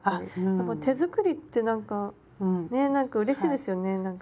やっぱ手作りってなんかねなんかうれしいですよねなんか。